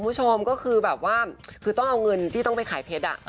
คุณผู้ชมก็คือแบบว่าคือต้องเอาเงินที่ต้องไปขายเพชร